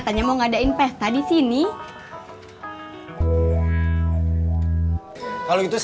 kang acek jalan dulunya